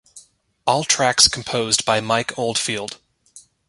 All tracks composed by Mike Oldfield.